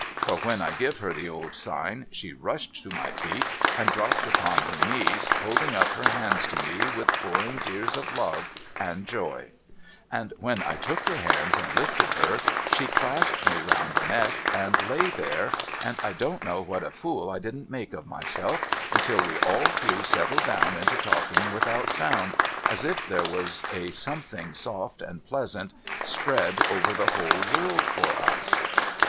For when I give her the old sign, she rushed to my feet, and dropped upon her knees, holding up her hands to me with pouring tears of love and joy ; and when 1 took her hands and lifted her, she clasped me round the neck, and lay there ; and I don't know what a fool I didn't make of myself, until we all three settled down into talking without sound, as if there was a something soft and pleasant spread over the whole world for us.